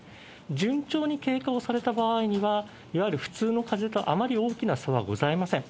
順調に経過をされた場合には、いわゆる普通のかぜとあまり大きな差はございません。